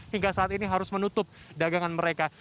hingga saat ini harus menutup dagangan mereka